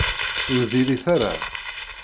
Ur diri-t ara.